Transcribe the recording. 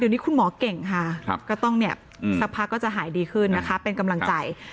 เดี๋ยวนี้คุณหมอเก่งค่ะก็ต้องเนี่ยสักพักก็จะหายดีขึ้นนะคะเป็นกำลังใจ